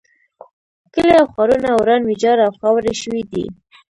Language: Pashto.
کلي او ښارونه وران ویجاړ او خاورې شوي دي.